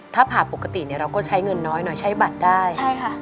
ถ้าผ่าปกติเนี่ยเราก็ใช้เงินน้อยหน่อยใช้บัตรได้ใช่ค่ะ